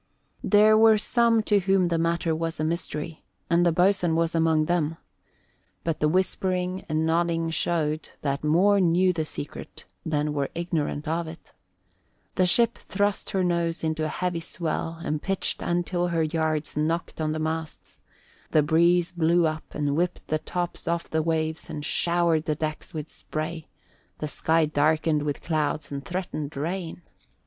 There were some to whom the matter was a mystery, and the boatswain was among them; but the whispering and nodding showed that more knew the secret than were ignorant of it. The ship thrust her nose into a heavy swell and pitched until her yards knocked on the masts; the breeze blew up and whipped the tops off the waves and showered the decks with spray; the sky darkened with clouds and threatened rain.